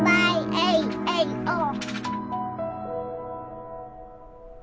エイエイオー！